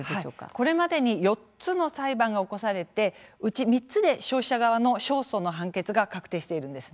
これまでに４つ裁判が起こされうち３つで消費者側の勝訴の判決が確定しています。